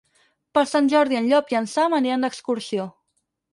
Per Sant Jordi en Llop i en Sam aniran d'excursió.